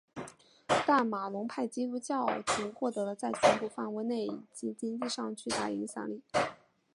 但马龙派基督教徒获得了在全国范围内以及经济上的巨大影响力。